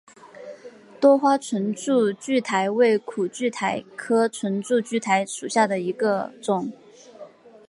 多花唇柱苣苔为苦苣苔科唇柱苣苔属下的一个种。